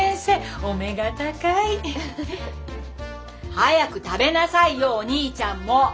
早く食べなさいよお兄ちゃんも！